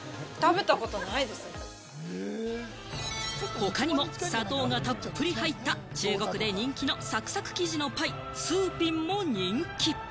他にも砂糖がたっぷり入った、中国で人気のサクサク生地のパイ、スーピンも人気。